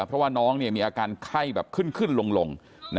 เพราะว่าน้องมีอาการไข้แบบขึ้นขึ้นลง